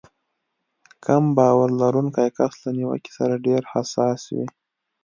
کم باور لرونکی کس له نيوکې سره ډېر حساس وي.